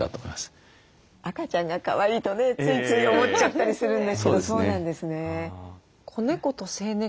赤ちゃんがかわいいとねついつい思っちゃったりするんですけどそうなんですね。